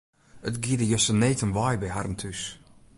It gie der juster need om wei by harren thús.